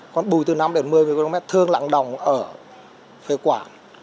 còn bụi từ năm đến một mươi micromet thường lặng đồng ở phế quản